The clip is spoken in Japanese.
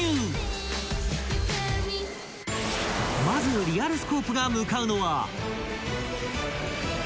［まずリアルスコープが向かうのは］